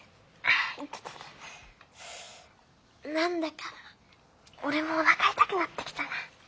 何だか俺もおなか痛くなってきたな。